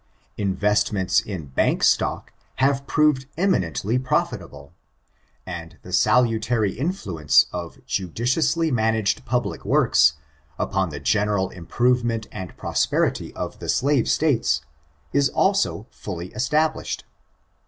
Investments in bank stock, have proved eminently profitable: and the s^utary influence of judiciously managed public works, upon the general improvement and prosperity of the slave States, is also fuUy established.